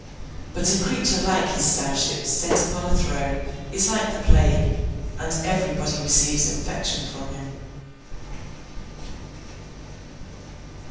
But, a creature like his Sowship set upon a throne is like the Plague, and everybody receives infection from him.